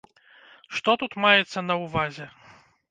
Што тут маецца на ўвазе?